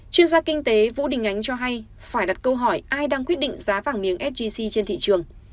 chuyên gia kinh tế vũ đình ánh cho hay phải đặt câu hỏi ai đang quyết định giá vàng miếng sgc trên thị trường